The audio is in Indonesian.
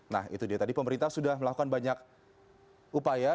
nah itu dia tadi pemerintah sudah melakukan banyak upaya